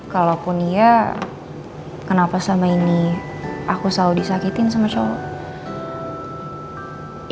kalaupun iya kenapa sama ini aku selalu disakitin sama cowok